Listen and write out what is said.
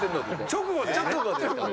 直後ですね。